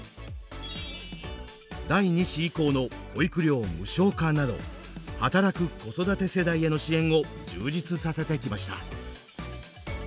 第２子以降の保育料無償化など働く子育て世代への支援を充実させてきました。